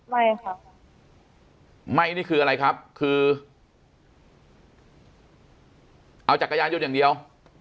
ไม่ครับไม่นี่คืออะไรครับคือเอาจักรยานยนต์อย่างเดียว